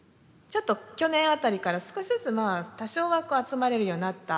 ちょっと去年辺りから少しずつ多少は集まれるようになった。